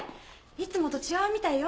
いつもと違うみたいよ。